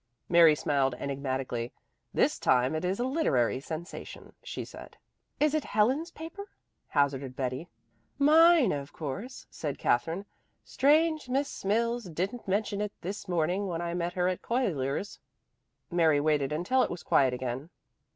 Mary smiled enigmatically. "This time it is a literary sensation," she said. "Is it Helen's paper?" hazarded Betty. "Mine, of course," said Katherine. "Strange Miss Mills didn't mention it this morning when I met her at Cuyler's." Mary waited until it was quiet again.